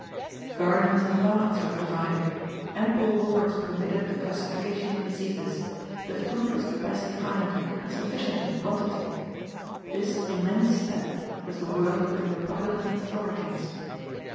Gardens and baths were provided; ample wards permitted the classification of diseases; the food was of the best kind, and sufficient in quantity. This immense step was the work of the republican authorities.